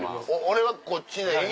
俺はこっちでいい？